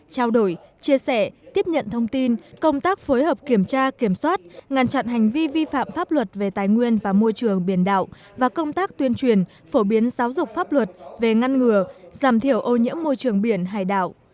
trao đổi chia sẻ tiếp nhận thông tin công tác phối hợp kiểm tra kiểm soát ngăn chặn hành vi vi phạm pháp luật về tài nguyên và môi trường biển đảo và công tác tuyên truyền phổ biến giáo dục pháp luật về ngăn ngừa giảm thiểu ô nhiễm môi trường biển hải đảo